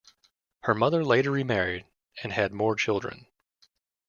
Her mother later re-married and had more children.